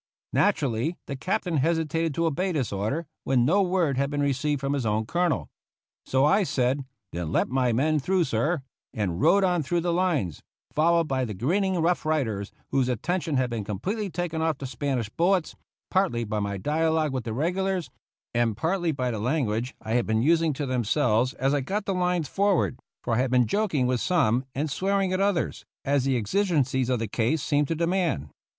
Naturally the Captain hesitated to obey this order when no word had been received from his own Colonel. So I said, " Then let my men through, sir," and rode on through the lines, followed by the grinning Rough Riders, whose attention had been com pletely taken off the Spanish bullets, partly by my dialogue with the regulars, and partly by the lan guage I had been using to themselves as I got the lines forward, for I had been joking with some and swearing at others, as the exigencies of the case seemed to demand.